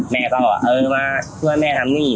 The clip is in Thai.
แม่ก็บอกว่าเออมาช่วยแม่ทำนี่